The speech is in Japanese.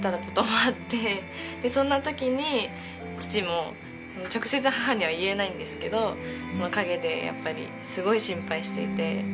でそんな時に父も直接母には言えないんですけど陰でやっぱりすごい心配していて。